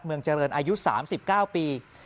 เมืองเจริญอายุ๓๙ปี